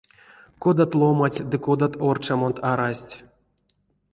Кодат ломанть ды кодат оршамот арасть!